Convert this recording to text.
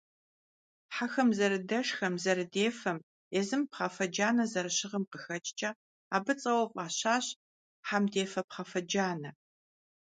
Хьэхэм зэрыдэшхэм, зэрыдефэм, езым пхъафэ джанэ зэрыщыгъым къыхэкӀкӀэ абы цӀэуэ фӀащащ «Хьэмдефэ Пхъафэджанэ».